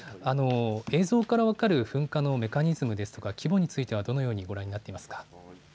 映像から分かる噴火のメカニズム、規模についてはどのようにご覧になっていますか。